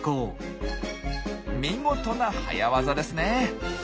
見事な早業ですね！